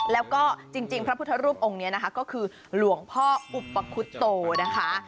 แล้วก็จริงพระพุทธรูปองค์นี้นะคะก็คือหลวงพ่ออุปคุโตนะคะ